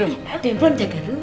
di rumah jaga rumah ya